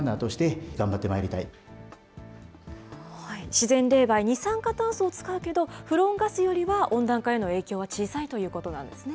自然冷媒、二酸化炭素を使うけど、フロンガスよりは温暖化への影響は小さいということなんですね。